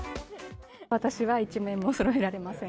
私は１面もそろえられません。